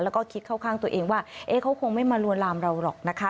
แล้วก็คิดเข้าข้างตัวเองว่าเขาคงไม่มาลวนลามเราหรอกนะคะ